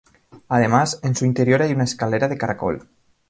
Además, en su interior hay una escalera de caracol.